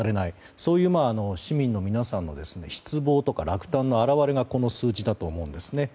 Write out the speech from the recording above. そういう市民の皆さんの失望や落胆の表れがこの数字だと思うんですね。